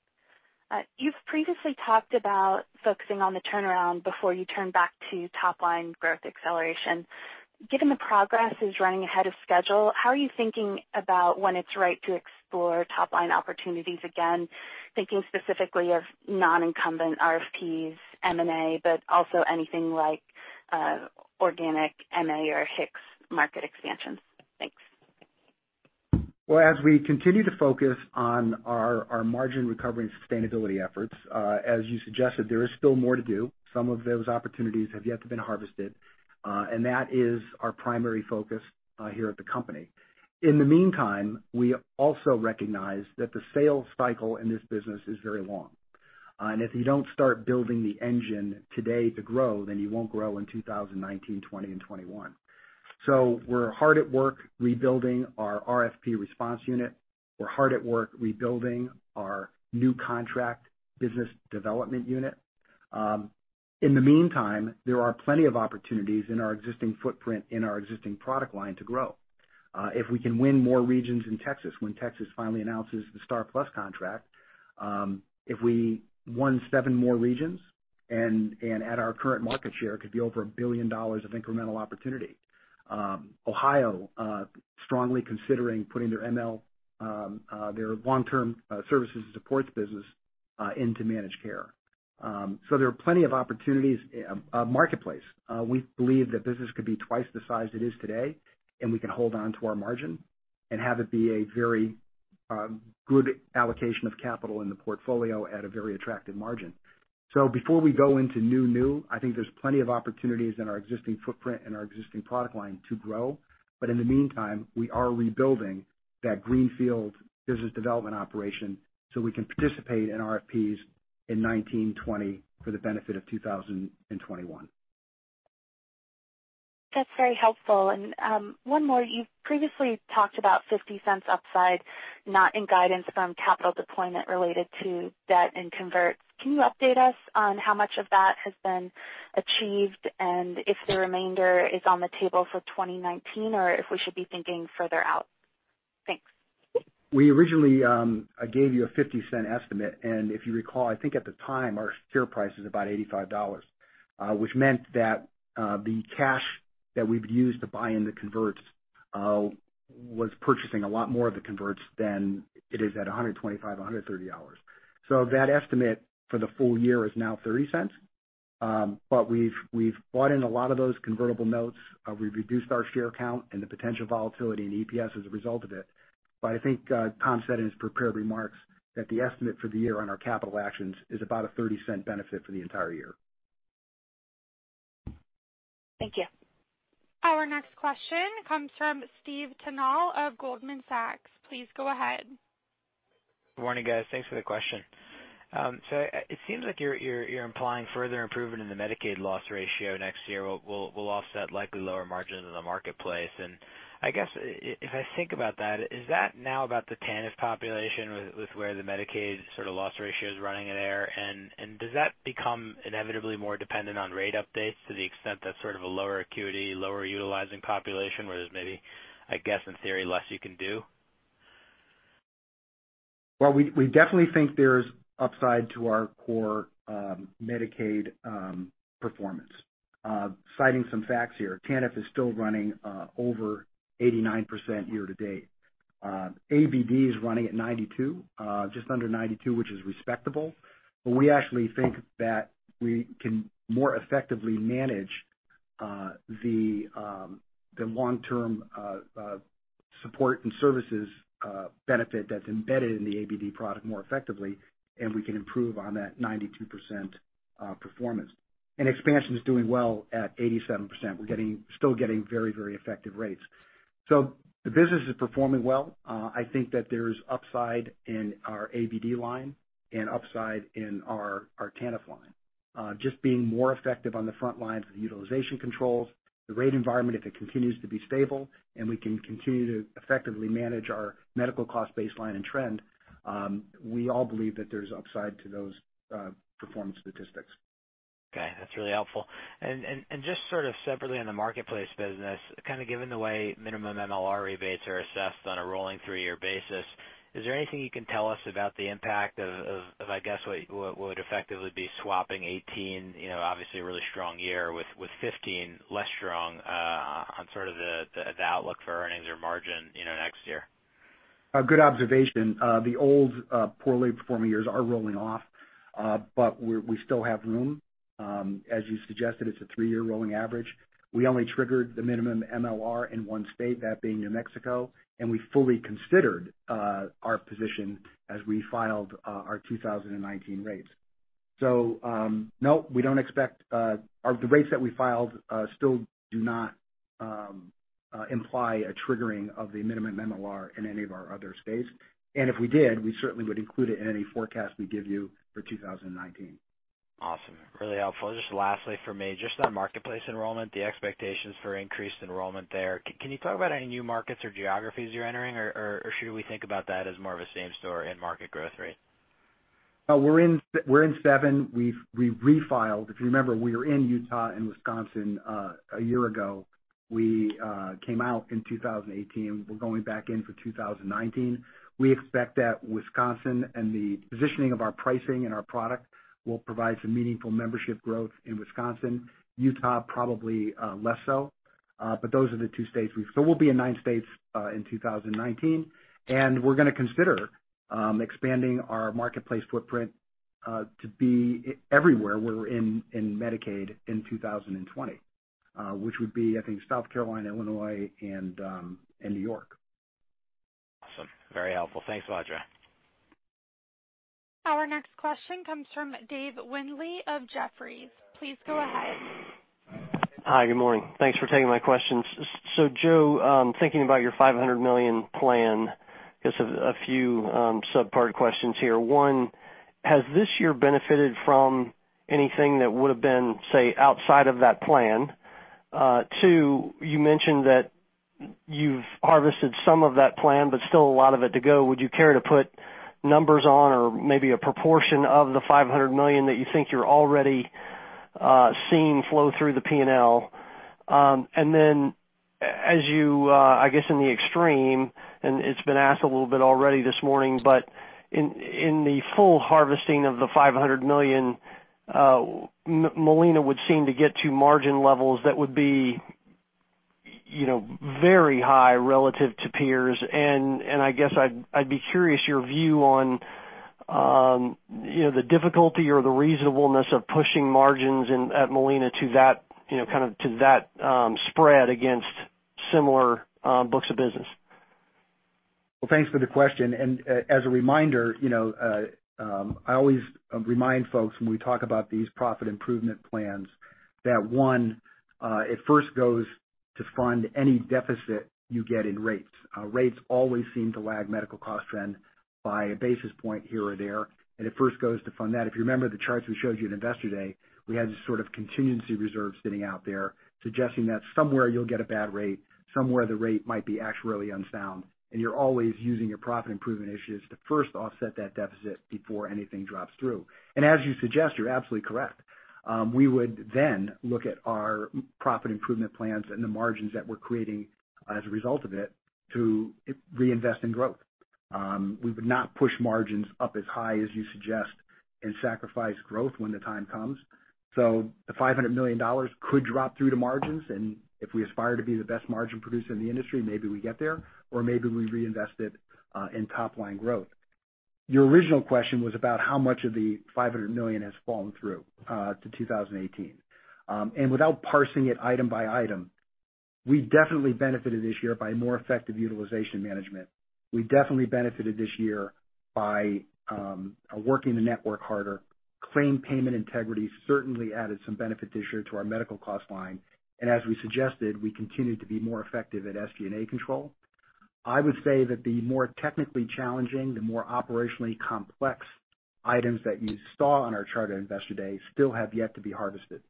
You've previously talked about focusing on the turnaround before you turn back to top-line growth acceleration. Given the progress is running ahead of schedule, how are you thinking about when it's right to explore top-line opportunities again, thinking specifically of non-incumbent RFPs, M&A, but also anything like organic MA or HIX market expansions? Thanks.
Well, as we continue to focus on our margin recovery and sustainability efforts, as you suggested, there is still more to do. Some of those opportunities have yet to been harvested, and that is our primary focus here at the company. In the meantime, we also recognize that the sales cycle in this business is very long. If you don't start building the engine today to grow, then you won't grow in 2019, 2020, and 2021. We're hard at work rebuilding our RFP response unit. We're hard at work rebuilding our new contract business development unit. In the meantime, there are plenty of opportunities in our existing footprint, in our existing product line to grow. If we can win more regions in Texas, when Texas finally announces the STAR+ contract, if we won seven more regions and at our current market share, it could be over $1 billion of incremental opportunity. Ohio strongly considering putting their long-term services and supports business into managed care. There are plenty of opportunities. Marketplace, we believe that business could be twice the size it is today, and we can hold on to our margin and have it be a very good allocation of capital in the portfolio at a very attractive margin. Before we go into new, I think there's plenty of opportunities in our existing footprint and our existing product line to grow. In the meantime, we are rebuilding that greenfield business development operation so we can participate in RFPs in 2019, 2020 for the benefit of 2021.
That's very helpful. One more. You previously talked about $0.50 upside, not in guidance from capital deployment related to debt and converts. Can you update us on how much of that has been achieved and if the remainder is on the table for 2019 or if we should be thinking further out? Thanks.
We originally gave you a $0.50 estimate, and if you recall, I think at the time, our share price was about $85, which meant that the cash that we'd used to buy in the converts was purchasing a lot more of the converts than it is at $125, $130. That estimate for the full year is now $0.30. We've bought in a lot of those convertible notes. We've reduced our share count and the potential volatility in EPS as a result of it. I think Tom said in his prepared remarks that the estimate for the year on our capital actions is about a $0.30 benefit for the entire year.
Thank you.
Our next question comes from Steve Tanal of Goldman Sachs. Please go ahead.
Good morning, guys. Thanks for the question. It seems like you're implying further improvement in the Medicaid loss ratio next year will offset likely lower margins in the Marketplace. I guess, if I think about that, is that now about the TANF population with where the Medicaid sort of loss ratio is running in there? Does that become inevitably more dependent on rate updates to the extent that's sort of a lower acuity, lower utilizing population where there's maybe, I guess in theory, less you can do?
Well, we definitely think there's upside to our core Medicaid performance. Citing some facts here, TANF is still running over 89% year to date. ABD is running at 92%, just under 92%, which is respectable, but we actually think that we can more effectively manage the long-term support and services benefit that's embedded in the ABD product more effectively, and we can improve on that 92% performance. Expansion is doing well at 87%. We're still getting very effective rates. The business is performing well. I think that there's upside in our ABD line and upside in our TANF line. Just being more effective on the front lines with utilization controls, the rate environment, if it continues to be stable and we can continue to effectively manage our medical cost baseline and trend, we all believe that there's upside to those performance statistics.
Okay, that's really helpful. Just sort of separately on the Marketplace business, kind of given the way minimum MLR rebates are assessed on a rolling three-year basis, is there anything you can tell us about the impact of, I guess, what would effectively be swapping 2018, obviously a really strong year, with 2015, less strong, on sort of the outlook for earnings or margin next year?
A good observation. The old, poorly performing years are rolling off. We still have room. As you suggested, it's a three-year rolling average. We only triggered the minimum MLR in one state, that being New Mexico, and we fully considered our position as we filed our 2019 rates. No, the rates that we filed still do not imply a triggering of the minimum MLR in any of our other states. If we did, we certainly would include it in any forecast we give you for 2019.
Awesome. Really helpful. Just lastly from me, just on Marketplace enrollment, the expectations for increased enrollment there, can you talk about any new markets or geographies you're entering? Should we think about that as more of a same store and market growth rate?
We're in seven. We refiled. If you remember, we were in Utah and Wisconsin, a year ago. We came out in 2018. We're going back in for 2019. We expect that Wisconsin and the positioning of our pricing and our product will provide some meaningful membership growth in Wisconsin. Utah, probably less so. Those are the two states. We'll be in nine states in 2019, and we're going to consider expanding our Marketplace footprint, to be everywhere we're in Medicaid in 2020, which would be, I think, South Carolina, Illinois, and New York.
Awesome. Very helpful. Thanks, Audra.
Our next question comes from Dave Windley of Jefferies. Please go ahead.
Hi. Good morning. Thanks for taking my questions. Joe, thinking about your $500 million plan, I guess, a few sub-part questions here. One, has this year benefited from anything that would've been, say, outside of that plan? Two, you mentioned that you've harvested some of that plan, but still a lot of it to go. Would you care to put numbers on or maybe a proportion of the $500 million that you think you're already seeing flow through the P&L? As you, I guess in the extreme, it's been asked a little bit already this morning, in the full harvesting of the $500 million, Molina would seem to get to margin levels that would be very high relative to peers, I guess I'd be curious your view on the difficulty or the reasonableness of pushing margins at Molina to that spread against similar books of business.
Well, thanks for the question. As a reminder, I always remind folks when we talk about these profit improvement plans that one, it first goes to fund any deficit you get in rates. Rates always seem to lag medical cost trend by a basis point here or there, it first goes to fund that. If you remember the charts we showed you at Investor Day, we had this sort of contingency reserve sitting out there suggesting that somewhere you'll get a bad rate, somewhere the rate might be actuarially unsound, you're always using your profit improvement issues to first offset that deficit before anything drops through. As you suggest, you're absolutely correct. We would then look at our profit improvement plans and the margins that we're creating as a result of it to reinvest in growth. We would not push margins up as high as you suggest and sacrifice growth when the time comes. The $500 million could drop through to margins, and if we aspire to be the best margin producer in the industry, maybe we get there, or maybe we reinvest it in top-line growth. Your original question was about how much of the $500 million has fallen through to 2018. Without parsing it item by item, we definitely benefited this year by more effective utilization management. We definitely benefited this year by working the network harder. Claim payment integrity certainly added some benefit this year to our medical cost line. As we suggested, we continue to be more effective at SG&A control. I would say that the more technically challenging, the more operationally complex items that you saw on our chart at Investor Day still have yet to be harvested.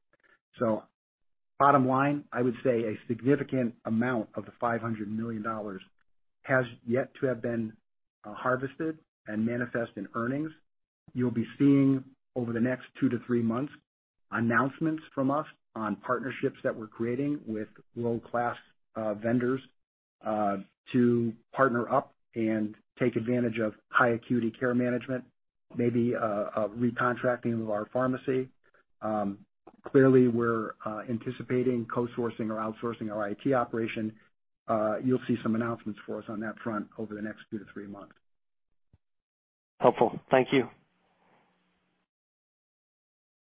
Bottom line, I would say a significant amount of the $500 million has yet to have been harvested and manifest in earnings. You'll be seeing over the next two to three months, announcements from us on partnerships that we're creating with world-class vendors to partner up and take advantage of high acuity care management, maybe a recontracting of our pharmacy. Clearly, we're anticipating co-sourcing or outsourcing our IT operation. You'll see some announcements for us on that front over the next two to three months.
Helpful. Thank you.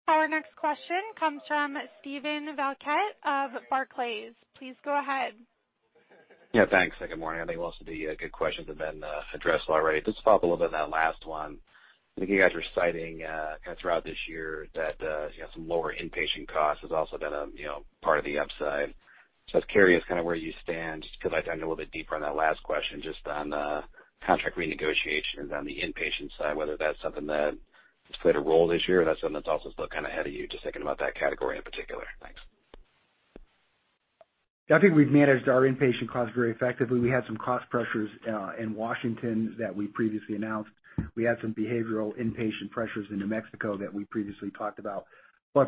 Our next question comes from Steven Valiquette of Barclays. Please go ahead.
Yeah, thanks. Good morning. I think most of the good questions have been addressed already. Just to follow up a little bit on that last one, I think you guys were citing kind of throughout this year that some lower inpatient costs has also been a part of the upside. I was curious kind of where you stand, just because I dive in a little bit deeper on that last question, just on the contract renegotiations on the inpatient side, whether that's something that has played a role this year or that's something that's also still kind of ahead of you, just thinking about that category in particular. Thanks.
Yeah, I think we've managed our inpatient costs very effectively. We had some cost pressures in Washington that we previously announced. We had some behavioral inpatient pressures in New Mexico that we previously talked about.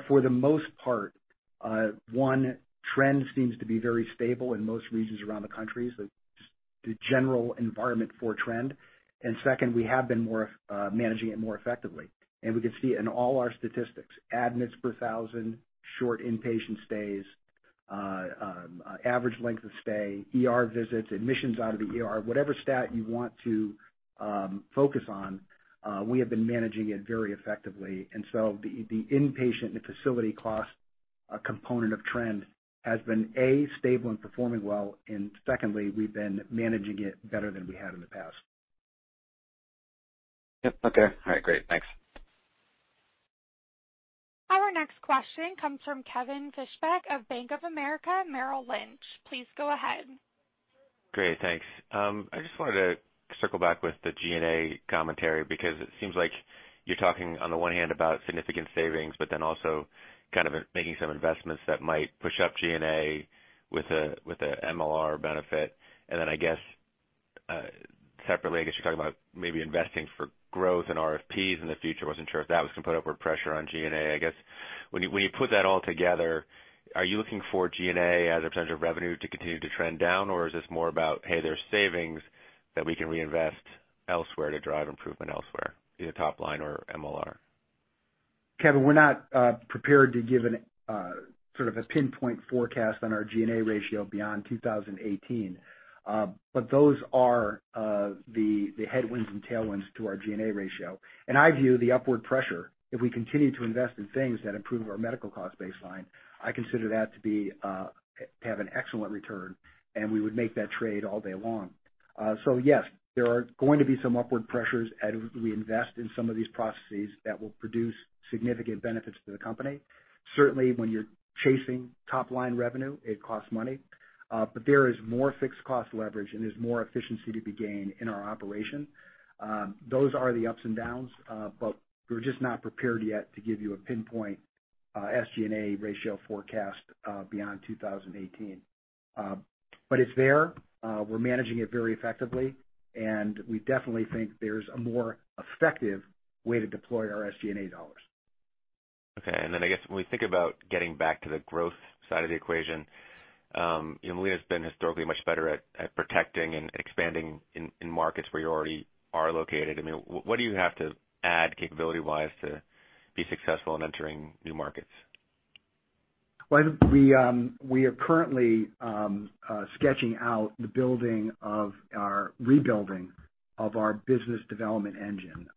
For the most part, one, trend seems to be very stable in most regions around the country, so just the general environment for trend. Second, we have been managing it more effectively. We can see it in all our statistics, admits per thousand, short inpatient stays, average length of stay, ER visits, admissions out of the ER. Whatever stat you want to focus on, we have been managing it very effectively. The inpatient and facility cost component of trend has been A, stable and performing well, and secondly, we've been managing it better than we had in the past.
Yep. Okay. All right, great. Thanks.
Our next question comes from Kevin Fischbeck of Bank of America Merrill Lynch. Please go ahead.
Great. Thanks. I just wanted to circle back with the G&A commentary because it seems like you're talking on the one hand about significant savings, but then also kind of making some investments that might push up G&A with a MLR benefit. Separately, I guess you're talking about maybe investing for growth and RFPs in the future. Wasn't sure if that was going to put upward pressure on G&A. I guess when you put that all together, are you looking for G&A as a percentage of revenue to continue to trend down? Or is this more about, hey, there's savings that we can reinvest elsewhere to drive improvement elsewhere, either top line or MLR?
Kevin, we're not prepared to give sort of a pinpoint forecast on our G&A ratio beyond 2018. Those are the headwinds and tailwinds to our G&A ratio. In our view, the upward pressure, if we continue to invest in things that improve our medical cost baseline, I consider that to have an excellent return, and we would make that trade all day long. Yes, there are going to be some upward pressures as we invest in some of these processes that will produce significant benefits to the company. Certainly, when you're chasing top-line revenue, it costs money. There is more fixed cost leverage, and there's more efficiency to be gained in our operation. Those are the ups and downs, we're just not prepared yet to give you a pinpoint SG&A ratio forecast beyond 2018. It's there. We're managing it very effectively, and we definitely think there's a more effective way to deploy our SG&A dollars.
Okay. I guess when we think about getting back to the growth side of the equation, Molina's been historically much better at protecting and expanding in markets where you already are located. What do you have to add capability-wise to be successful in entering new markets?
Well, we are currently sketching out the building of our rebuilding of our business development engine.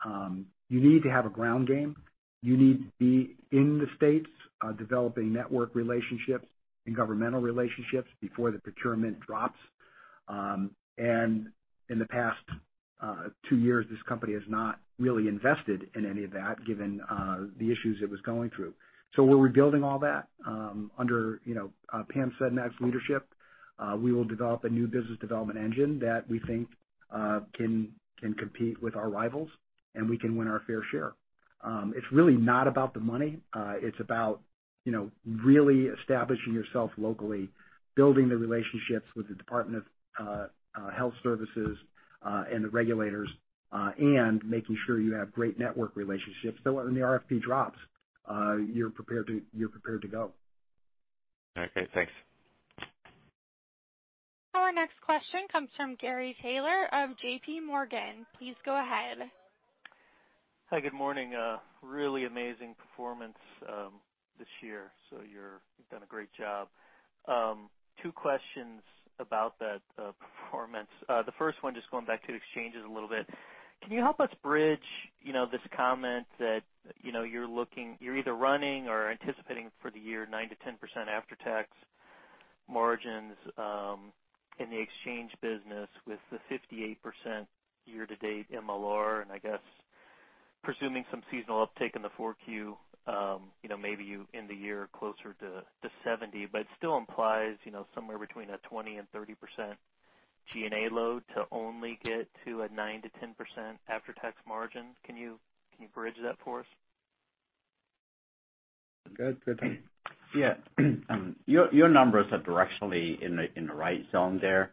You need to have a ground game. You need to be in the states, developing network relationships and governmental relationships before the procurement drops. In the past two years, this company has not really invested in any of that, given the issues it was going through. We're rebuilding all that under Pam Sedmak's leadership. We will develop a new business development engine that we think can compete with our rivals, and we can win our fair share. It's really not about the money. It's about really establishing yourself locally, building the relationships with the Department of Health Services, and the regulators, and making sure you have great network relationships so when the RFP drops, you're prepared to go.
Okay, thanks.
Our next question comes from Gary Taylor of JPMorgan. Please go ahead.
Hi, good morning. A really amazing performance this year. You've done a great job. Two questions about that performance. The first one, just going back to Marketplace a little bit. Can you help us bridge this comment that you're either running or anticipating for the year 9%-10% after-tax margins in the Marketplace business with the 58% year-to-date MLR, and I guess presuming some seasonal uptake in the 4Q, maybe you end the year closer to 70%. It still implies somewhere between a 20%-30% G&A load to only get to a 9%-10% after-tax margin. Can you bridge that for us?
Go ahead, Sid. Yeah. Your numbers are directionally in the right zone there.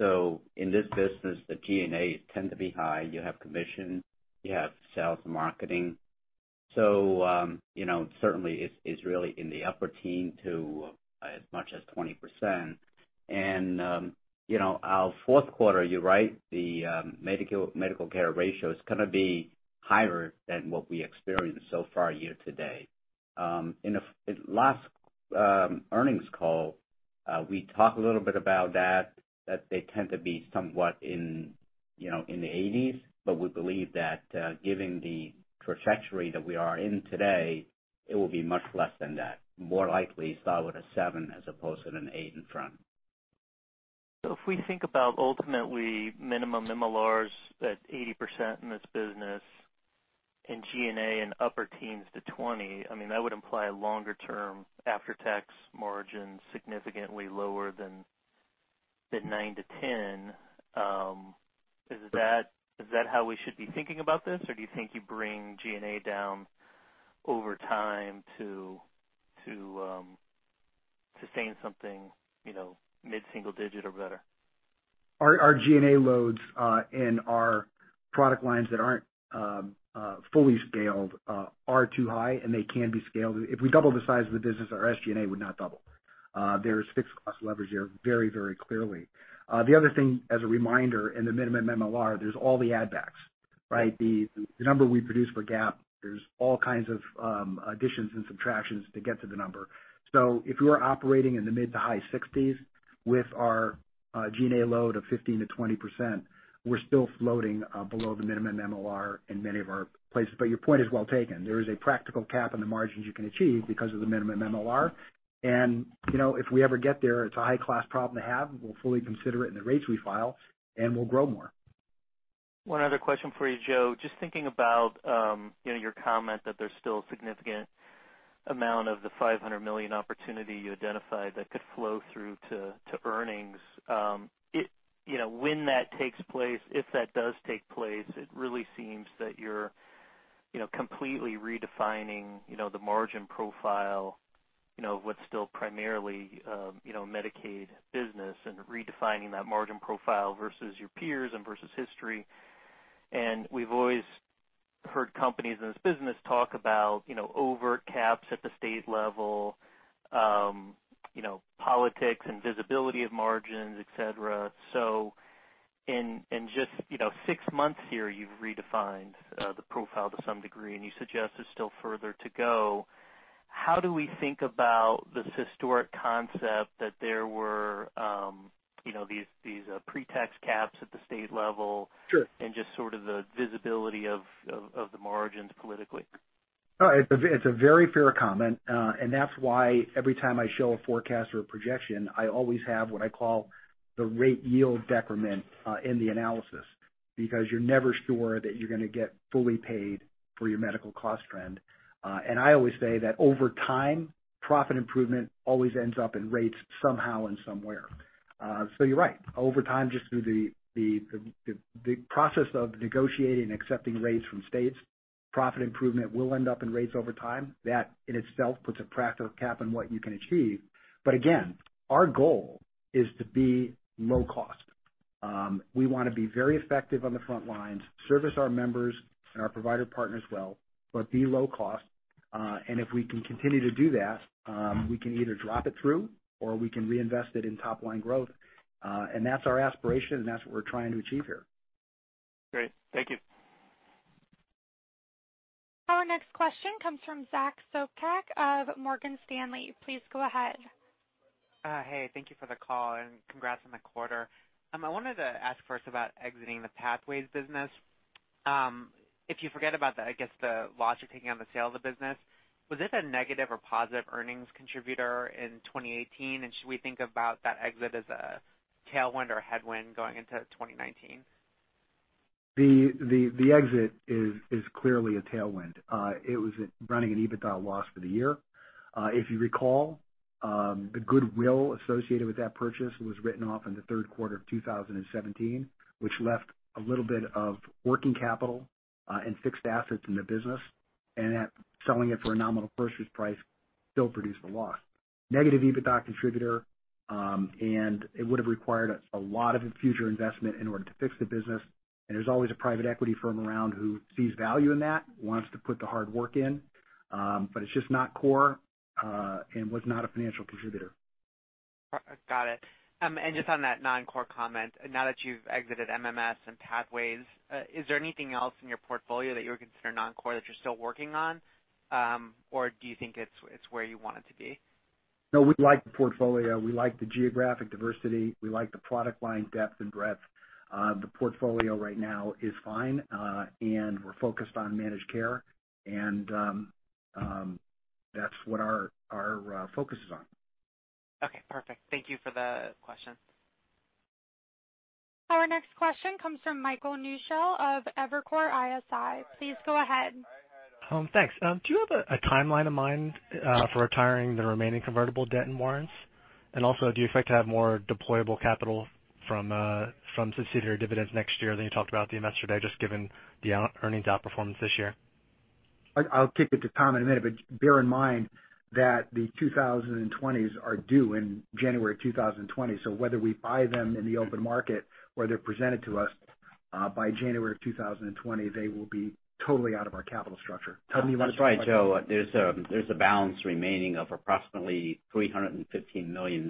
In this business, the G&A tend to be high. You have commission, you have sales and marketing. Certainly it's really in the upper teens to as much as 20%. Our fourth quarter, you're right, the medical care ratio is going to be higher than what we experienced so far year-to-date. In the last earnings call, we talked a little bit about that they tend to be somewhat in the 80s. We believe that, given the trajectory that we are in today, it will be much less than that. More likely start with a seven as opposed to an eight in front.
If we think about ultimately minimum MLRs at 80% in this business and G&A in upper teens to 20, that would imply longer term after-tax margins significantly lower than the 9%-10%. Is that how we should be thinking about this? Or do you think you bring G&A down over time to sustain something mid-single digit or better?
Our G&A loads in our product lines that aren't fully scaled are too high, and they can be scaled. If we double the size of the business, our SG&A would not double. There is fixed cost leverage there very, very clearly. The other thing, as a reminder, in the minimum MLR, there's all the add backs, right? The number we produce for GAAP, there's all kinds of additions and subtractions to get to the number. If we were operating in the mid to high 60s with our G&A load of 15%-20%, we're still floating below the minimum MLR in many of our places. Your point is well taken. There is a practical cap on the margins you can achieve because of the minimum MLR. If we ever get there, it's a high-class problem to have. We'll fully consider it in the rates we file, we'll grow more.
One other question for you, Joe. Just thinking about your comment that there's still a significant amount of the $500 million opportunity you identified that could flow through to earnings. When that takes place, if that does take place, it really seems that you're completely redefining the margin profile, what's still primarily Medicaid business, and redefining that margin profile versus your peers and versus history. We've always heard companies in this business talk about overt caps at the state level, politics and visibility of margins, et cetera. In just six months here, you've redefined the profile to some degree, and you suggest there's still further to go. How do we think about this historic concept that there were these pre-tax caps at the state level-
Sure
Just sort of the visibility of the margins politically?
No, it's a very fair comment. That's why every time I show a forecast or a projection, I always have what I call the rate yield decrement in the analysis, because you're never sure that you're going to get fully paid for your medical cost trend. I always say that over time, profit improvement always ends up in rates somehow and somewhere. You're right. Over time, just through the process of negotiating and accepting rates from states, profit improvement will end up in rates over time. That in itself puts a practical cap on what you can achieve. Again, our goal is to be low cost. We want to be very effective on the front lines, service our members and our provider partners well, but be low cost. If we can continue to do that, we can either drop it through or we can reinvest it in top-line growth. That's our aspiration, and that's what we're trying to achieve here.
Great. Thank you.
Our next question comes from Zachary Sopcak of Morgan Stanley. Please go ahead.
Hey, thank you for the call, congrats on the quarter. I wanted to ask first about exiting the Pathways business. If you forget about the, I guess, the loss you're taking on the sale of the business, was this a negative or positive earnings contributor in 2018? Should we think about that exit as a tailwind or a headwind going into 2019?
The exit is clearly a tailwind. It was running an EBITDA loss for the year. If you recall, the goodwill associated with that purchase was written off in the third quarter of 2017, which left a little bit of working capital, and fixed assets in the business, and selling it for a nominal purchase price still produced a loss. Negative EBITDA contributor. It would've required a lot of future investment in order to fix the business. There's always a private equity firm around who sees value in that, wants to put the hard work in. It's just not core, and was not a financial contributor.
Got it. Just on that non-core comment, now that you've exited MMS and Pathways, is there anything else in your portfolio that you would consider non-core that you're still working on? Do you think it's where you want it to be?
No, we like the portfolio. We like the geographic diversity. We like the product line depth and breadth. The portfolio right now is fine. We're focused on managed care, and that's what our focus is on.
Okay, perfect. Thank you for the question.
Our next question comes from Michael Newshel of Evercore ISI. Please go ahead.
Thanks. Do you have a timeline in mind for retiring the remaining convertible debt and warrants? Also, do you expect to have more deployable capital from subsidiary dividends next year than you talked about at the Investor Day, just given the earnings outperformance this year?
I'll kick it to Tom in a minute, bear in mind that the 2020s are due in January 2020, whether we buy them in the open market or they're presented to us, by January of 2020, they will be totally out of our capital structure. Tom, do you want to-
That's right, Joe. There's a balance remaining of approximately $315 million.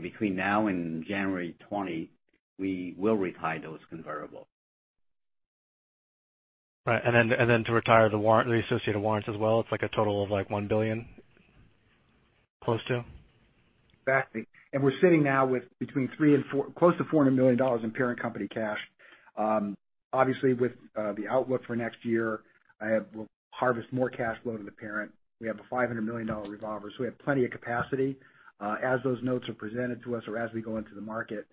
Between now and January 2020, we will retire those convertibles.
Right. Then to retire the associated warrants as well, it's like a total of $1 billion, close to?
Exactly. We're sitting now with between $3 million and close to $400 million in parent company cash. Obviously, with the outlook for next year, we'll harvest more cash flow to the parent. We have a $500 million revolver, so we have plenty of capacity. As those notes are presented to us or as we go into the market,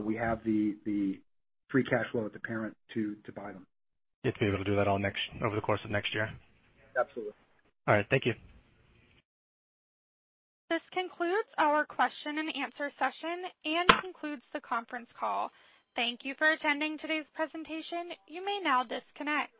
we have the free cash flow at the parent to buy them.
You'd be able to do that all over the course of next year?
Absolutely.
All right. Thank you.
This concludes our question and answer session and concludes the conference call. Thank you for attending today's presentation. You may now disconnect.